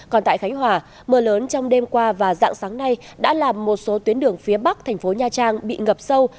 còn tại khánh hòa mưa lớn trong đêm qua và dạng sáng nay đã làm một số tuyến đường phía bắc thành phố nha trang bị ngập sâu